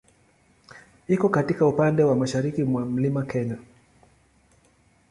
Iko katika upande wa mashariki mwa Mlima Kenya.